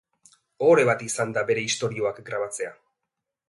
Ohore bat izan da bere istorioak grabatzea.